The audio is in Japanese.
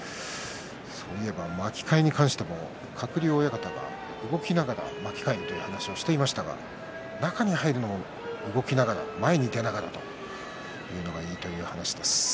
そういえば巻き替えに対しても鶴竜親方が動きながら巻き替えるという話もしていましたが中に入るのも動きながら前にいきながらというのがいいという話です。